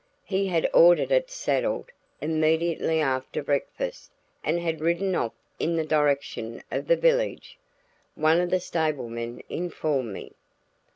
He had ordered it saddled immediately after breakfast and had ridden off in the direction of the village, one of the stable men informed me.